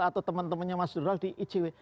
atau teman temannya mas donald di icw